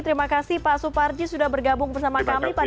terima kasih pak suparji sudah bergabung bersama kami pada malam hari ini